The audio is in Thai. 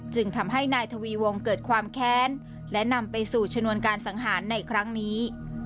จึงทำให้นายทวีวงเกิดความแค้นและนำไปสู่ชนวนการสังหารในครั้งนี้